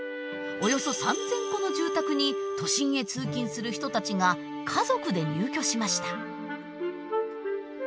およそ３，０００戸の住宅に都心へ通勤する人たちが家族で入居しました。